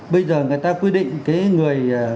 bây giờ người ta quy định cái người